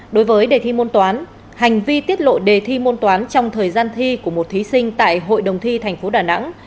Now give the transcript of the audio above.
đối với đề thi môn toán hành vi tiết lộ đề thi môn toán trong thời gian thi của một thí sinh tại hội đồng thi tp đà nẵng